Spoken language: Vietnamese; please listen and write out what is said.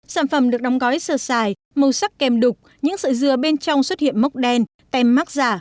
sản phẩm được đóng gói sơ xài màu sắc kem đục những sợi dừa bên trong xuất hiện mốc đen tem mát giả